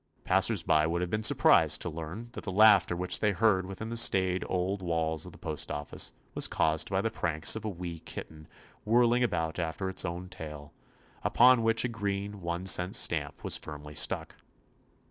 Passers by would have been sur prised to learn that the laughter which they heard within the staid old walls of the postoffice was caused by the pranks of a wee kitten whirling about after its own tail, upon which a 52 TOMMY POSTOFFICE green one cent stamp was firmly stuck.